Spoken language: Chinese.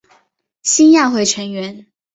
兴亚会成员。